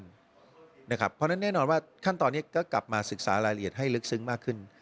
เพราะฉะนั้นแน่นอนว่าขั้นตอนนี้ก็กลับมาศึกษารายละเอียดให้ลึกซึ้งมากขึ้น